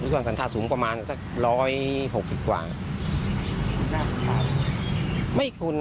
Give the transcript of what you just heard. ภาพท่านภาพท่าน